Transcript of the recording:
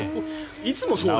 いつもそう。